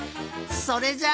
それじゃあ。